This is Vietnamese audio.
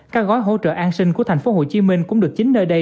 các gói hỗ trợ an sinh của thành phố hồ chí minh cũng được chính nơi đây